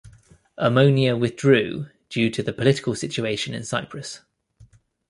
Omonia withdrew due to the political situation in Cyprus.